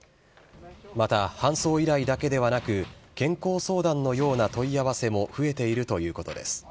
また搬送依頼だけではなく、健康相談のような問い合わせも増えているということです。